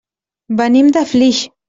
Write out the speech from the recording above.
Venim de Flix.